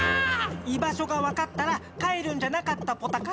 いばしょがわかったら帰るんじゃなかったポタか？